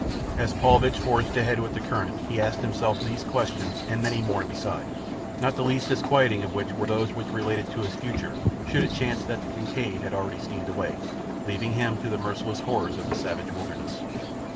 As Paulvitch forged ahead with the current he asked himself these questions, and many more beside, not the least disquieting of which were those which related to his future should it chance that the Kincaid had already steamed away, leaving him to the merciless horrors of the savage wilderness.